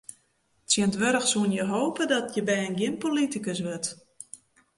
Tsjintwurdich soe men hoopje dat jins bern gjin politikus wurdt.